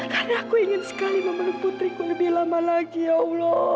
karena aku ingin sekali memenuhi putriku lebih lama lagi ya allah